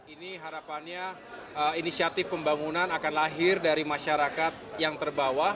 ini harapannya inisiatif pembangunan akan lahir dari masyarakat yang terbawah